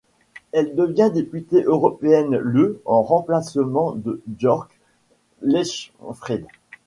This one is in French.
Elle devient députée européenne le en remplacement de Jörg Leichtfried.